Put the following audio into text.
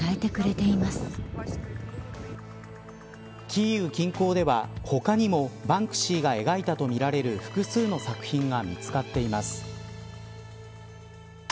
キーウ近郊では他にもバンクシーが描いたとみられる複数の作品が見つかっています。